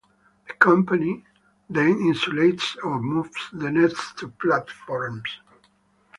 The company then insulates or moves the nest to platforms.